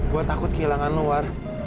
gue takut kehilangan lo war